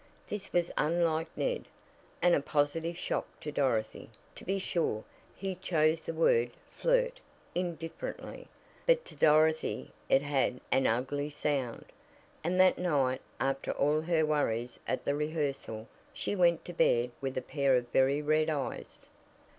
This was unlike Ned, and a positive shock to Dorothy. To be sure, he chose the word "flirt" indifferently, but to Dorothy it had an ugly sound, and that night, after all her worries at the rehearsal, she went to bed with a pair of very red eyes.